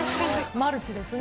マルチですね。